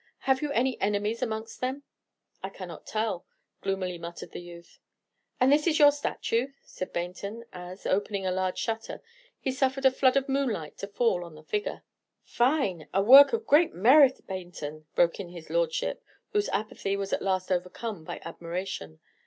Have you any enemies amongst them?" "I cannot tell," gloomily muttered the youth. "And this is your statue?" said Baynton, as, opening a large shutter, he suffered a flood of moonlight to fall on the figure. [Illustration: 242] "Fine! a work of great merit, Baynton," broke in his Lordship, whose apathy was at last overcome by admiration.